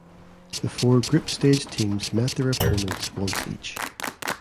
The four group stage teams met their opponents once each.